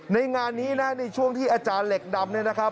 ในงานนี้นะในช่วงที่อาจารย์เหล็กดำเนี่ยนะครับ